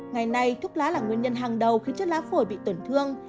ngày nay thuốc lá là nguyên nhân hàng đầu khiến chất lá phổi bị tổn thương